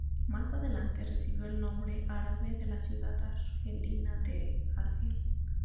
Más adelante, recibió el nombre árabe de la ciudad argelina de Argel.